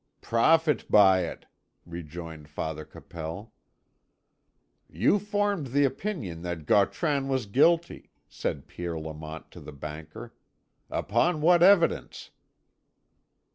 "Profit by it," rejoined Father Capel. "You formed the opinion that Gautran was guilty," said Pierre Lamont to the banker. "Upon what evidence?"